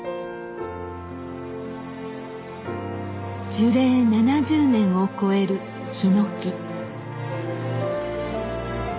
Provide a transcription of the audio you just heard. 樹齢７０年を超えるヒノキ。